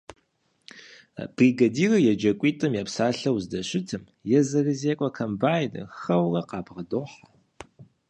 Бригадирыр еджакӀуитӀым епсалъэу здэщытым езырызекӀуэ комбайныр хэуэурэ къабгъэдохьэ.